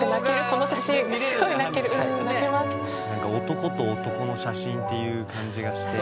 男と男の写真っていう感じがして。